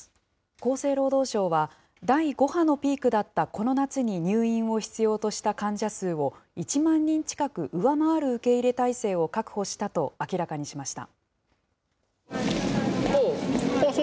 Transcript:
厚生労働省は、第５波のピークだったこの夏に入院を必要とした患者数を、１万人近く上回る受け入れ態勢を確保したと明らかにしました。